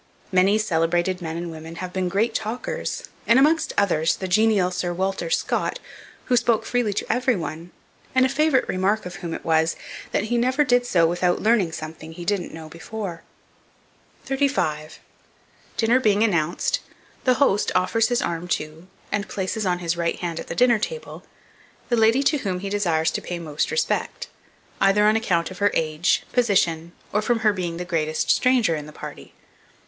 Many celebrated men and women have been great talkers; and, amongst others, the genial Sir Walter Scott, who spoke freely to every one, and a favourite remark of whom it was, that he never did so without learning something he didn't know before. 35. DINNER BEING ANNOUNCED, the host offers his arm to, and places on his right hand at the dinner table, the lady to whom he desires to pay most respect, either on account of her age, position, or from her being the greatest stranger in the party.